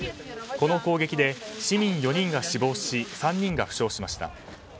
この攻撃で、市民４人が死亡し３人が負傷しました。